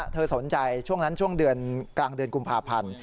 สนใจช่วงนั้นช่วงเดือนกลางเดือนกุมภาพันธ์